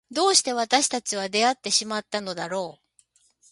どうして私たちは出会ってしまったのだろう。